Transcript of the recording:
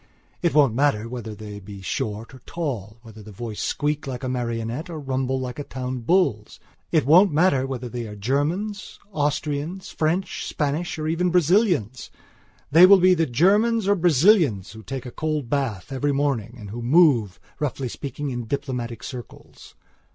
It won't matter whether they be short or tall; whether the voice squeak like a marionette or rumble like a town bull's; it won't matter whether they are Germans, Austrians, French, Spanish, or even Braziliansthey will be the Germans or Brazilians who take a cold bath every morning and who move, roughly speaking, in diplomatic circles.